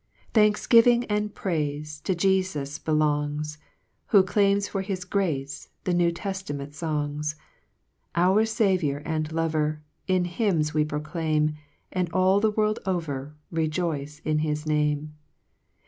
3 Thankfgiving and prail'e, To Jefus belongs ; Who claims for his grace, The New Tettament fongSj Our Saviour and Lover, In hymns we proclaim, And all the world over, Rejoice in his Name.